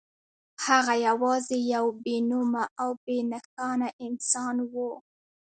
هغه یوازې یو بې نومه او بې نښانه انسان و